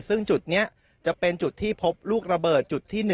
ซึ่งจุดนี้จะเป็นจุดที่พบลูกระเบิดจุดที่๑